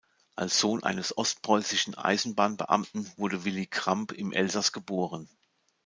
Als Sohn eines ostpreußischen Eisenbahnbeamten wurde Willy Kramp im Elsass geboren.